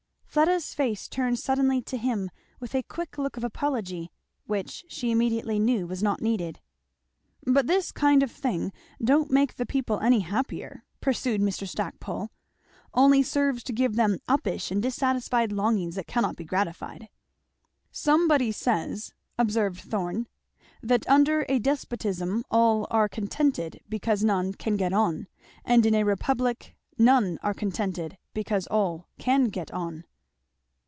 Fleda's face turned suddenly to him with a quick look of apology, which she immediately knew was not needed. "But this kind of thing don't make the people any happier," pursued Mr. Stackpole; "only serves to give them uppish and dissatisfied longings that cannot be gratified." "Somebody says," observed Thorn, "that 'under a despotism all are contented because none can get on, and in a republic none are contented because all can get on.'"